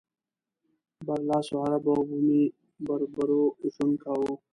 برلاسو عربو او بومي بربرو ژوند کاوه.